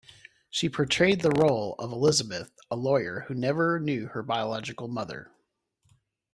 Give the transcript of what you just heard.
She portrayed the role of Elizabeth, a lawyer who never knew her biological mother.